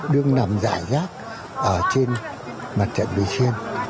đứng nằm rải rác trên mặt trận vị xuyên